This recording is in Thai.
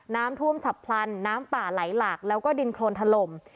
น้ำท่วมฉับพลันน้ำป่าไหลหลากแล้วก็ดินโครนถล่ม